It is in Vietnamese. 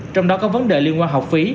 trong đó có vấn đề liên quan học phí